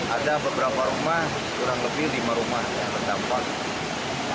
ada beberapa rumah kurang lebih lima rumah yang terdampak